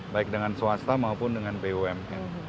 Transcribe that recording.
baik dengan swasta maupun dengan bumn